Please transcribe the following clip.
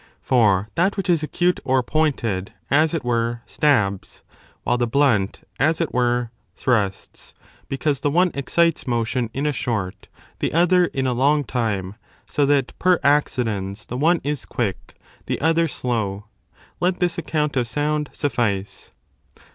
For that which is acute or pointed, as it were, stabs, while the blunt, as it were, thrusts, because the one excites motion in a short, the other in a long time, so that per accidens the one is quick, the other slow. Let this account of sound suffice.